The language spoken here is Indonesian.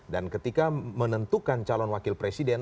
dan ketika menentukan calon wakil presiden